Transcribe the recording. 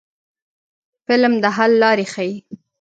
فلم د حل لارې ښيي